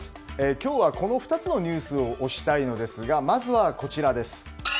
今日はこの２つのニュースを推したいんですが、まずはこちら。